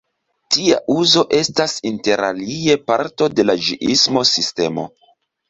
Tia uzo estas interalie parto de la ĝiismo-sistemo.